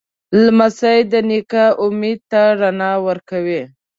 لمسی د نیکه امید ته رڼا ورکوي.